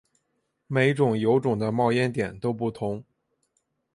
每种油种的冒烟点都不同。